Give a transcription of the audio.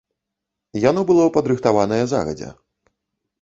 Яно было падрыхтаванае загадзя.